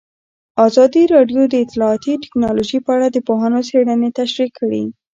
ازادي راډیو د اطلاعاتی تکنالوژي په اړه د پوهانو څېړنې تشریح کړې.